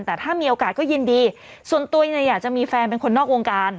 แต่ถ้ามีโอกาสก็ยินดีส่วนตัวเนี่ยอยากจะมีแฟนเป็นคนนอกวงการ